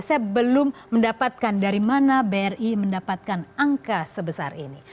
saya belum mendapatkan dari mana bri mendapatkan angka sebesar ini